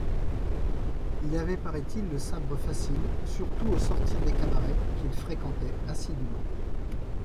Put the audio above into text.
Il avait paraît-il le sabre facile surtout au sortir des cabarets, qu'il fréquentait assidûment.